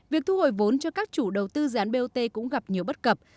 việc thu hồi vốn cho các chủ đầu tư dự án bot cũng gặp nhiều bất cập